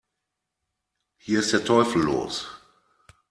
Hier ist der Teufel los!